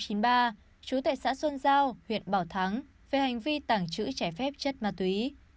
trú tại xã xuân giao huyện bảo thắng về hành vi tảng trữ trải phép chất ma túy